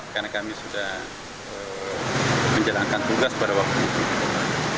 karena kami sudah menjalankan tugas pada waktu itu